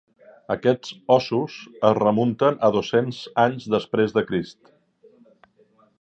Aquests ossos es remunten a dos-cents anys després de Crist.